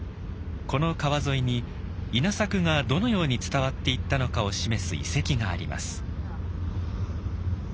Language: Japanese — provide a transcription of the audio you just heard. この川沿いに稲作がどのように伝わっていったのかを示す遺跡があります。